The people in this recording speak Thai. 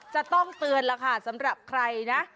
จะต้องเตือนล่ะค่ะสำหรับใครนะ